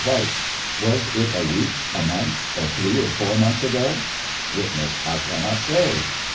White : Was it a week, a month, or three or four months ago? Witness : I cannot say.